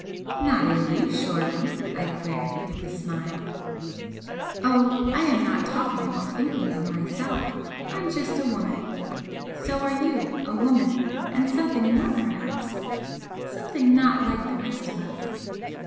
"Not in you, surely?" I queried, with a smile. "Oh, I am not talking or thinking of myself. I'm just a woman. So are you a woman and something more, perhaps something not like the rest of us."